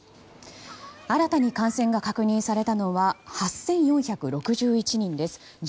新たに感染が確認されたのは８４６１人です。